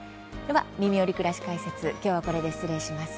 では、「みみより！くらし解説」きょうはこれで失礼します。